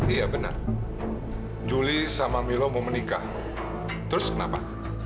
iya benar julie sama milo mau menikah terus kenapa